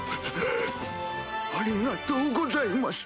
ありがとうございます。